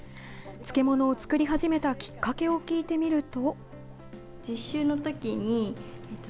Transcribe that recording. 漬物を作り始めたきっかけを聞いてみると。